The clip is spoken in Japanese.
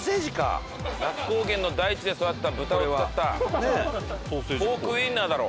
那須高原の大地で育った豚を使ったポークウィンナーだろ。